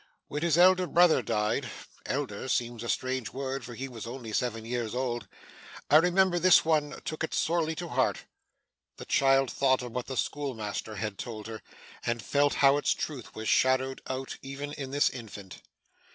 'When his elder brother died elder seems a strange word, for he was only seven years old I remember this one took it sorely to heart.' The child thought of what the schoolmaster had told her, and felt how its truth was shadowed out even in this infant.